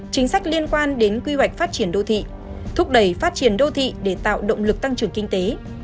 chính sách liên quan đến quy hoạch phát triển đô thị thúc đẩy phát triển đô thị để tạo động lực tăng trưởng kinh tế